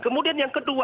kemudian yang kedua